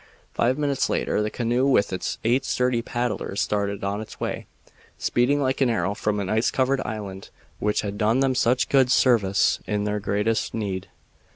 Five minutes later the canoe with its eight sturdy paddlers started on its way, speeding like an arrow from the ice covered island which had done them such good service in their greatest need.